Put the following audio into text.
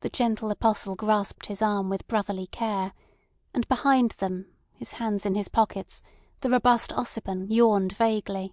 The gentle apostle grasped his arm with brotherly care; and behind them, his hands in his pockets, the robust Ossipon yawned vaguely.